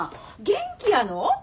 元気やの？